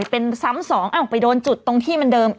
เป็นซ้ำสองอ้าวไปโดนจุดตรงที่มันเดิม